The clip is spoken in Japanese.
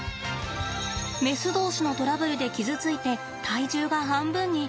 メス同士のトラブルで傷ついて体重が半分に。